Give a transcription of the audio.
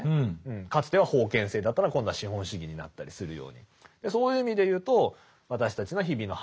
かつては封建制だったのが今度は資本主義になったりするように。